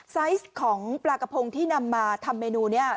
ไซส์ของปลากระพงที่นำมาทำเมนูนี้